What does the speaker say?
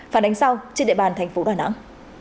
phản ánh sau trên địa bàn thành phố đà nẵng